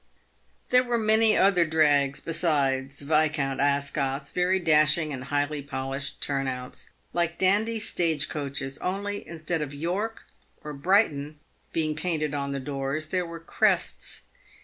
There were many other drags besides Viscount Ascot's, very dashing and highly polished turn outs, like dandy stage coaches, only instead of "York" or "Brighton" being painted on the doors, there were crests.